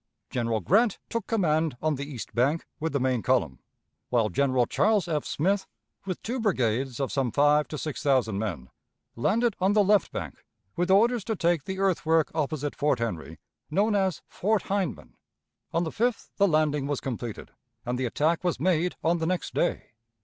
General Grant took command on the east bank with the main column, while General Charles F. Smith, with two brigades of some five to six thousand men, landed on the left bank, with orders to take the earthwork opposite Fort Henry, known as Fort Hindman. On the 5th the landing was completed, and the attack was made on the next day.